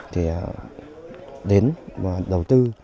thì đến và đầu tư